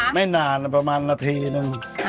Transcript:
ไม่นานประมาณนาทีนึง